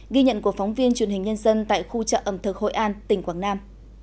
ghi nhận của phóng viên truyền hình nhân dân tại khu chợ ẩm thực hội an tỉnh quảng nam